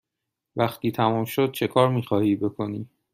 وقتی تمام شد چکار می خواهی بکنی؟